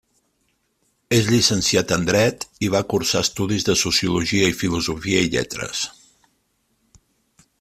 És llicenciat en dret i va cursar estudis de Sociologia i Filosofia i Lletres.